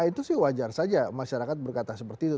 itu sih wajar saja masyarakat berkata seperti itu